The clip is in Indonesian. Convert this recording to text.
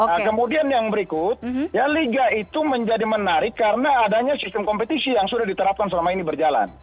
nah kemudian yang berikut ya liga itu menjadi menarik karena adanya sistem kompetisi yang sudah diterapkan selama ini berjalan